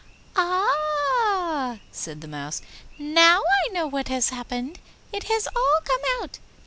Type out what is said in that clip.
'Ah,' said the Mouse,' 'now I know what has happened! It has all come out!